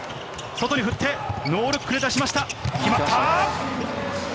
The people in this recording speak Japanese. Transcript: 外に振って、ノールックで出しました。